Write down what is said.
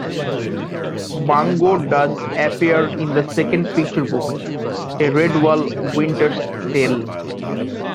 Bungo does appear in the second picture book "A Redwall Winter's Tale".